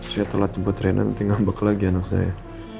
setelah jemput rena nanti ngambek lagi anak saya